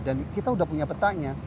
dan kita udah punya petanya